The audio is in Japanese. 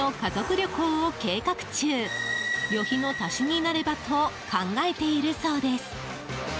旅費の足しになればと考えているそうです。